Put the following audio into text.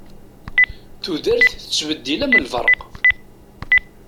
Tudert tettbeddil am lberq.